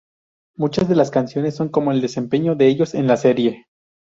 Muchas de las canciones son como el desempeño de ellos en la serie.